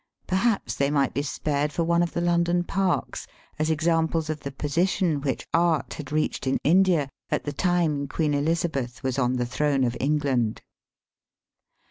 Perhaps they might be spared for one of the London parks, as examples of the posi tion which art had reached in India at the time Queen Elizabeth was on the throne of England.